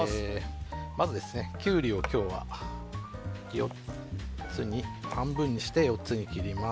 まずキュウリを今日は半分にして４つに切ります。